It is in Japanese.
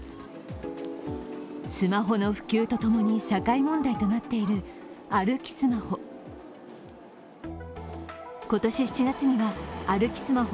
スマホの普及と共に社会問題となっている歩きスマホ。